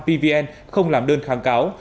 pvn không làm đơn kháng cáo